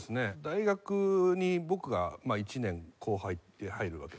大学に僕が１年後輩で入るわけですよね。